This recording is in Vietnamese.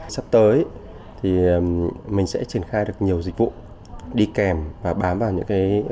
sắp tới thì mình sẽ triển khai được nhiều dịch vụ đi kèm và bám vào những cái